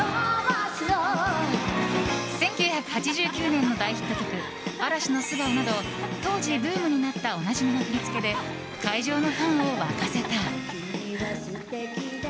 １９８９年の大ヒット曲「嵐の素顔」など当時ブームになったおなじみの振り付けで会場のファンを沸かせた。